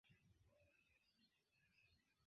Ekvivalento vira estas Gajo.